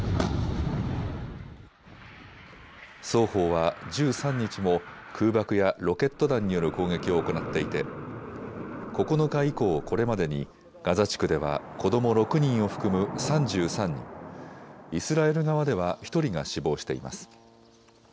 双方は１３日も空爆やロケット弾による攻撃を行っていて９日以降、これまでにガザ地区では子ども６人を含む３３人、イスラエル側では１人が死亡しています。